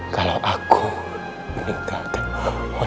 kalau aku meninggal dengan